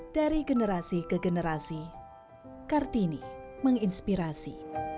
dari generasi ke generasi kartini menginspirasi